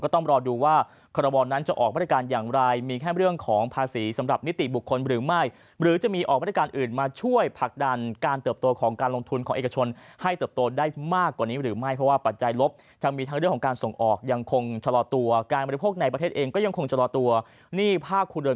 ต้องรอดูมาตรการกันต่อไปว่าจะออกมาเป็นอย่างไรนะครับวันนี้ขอบคุณคุณวิกฤตมากนะครับ